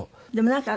なんか。